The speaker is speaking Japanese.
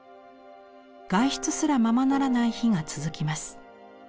外出すらままならない日が続きます。